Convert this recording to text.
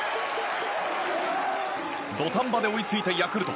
土壇場で追いついたヤクルト。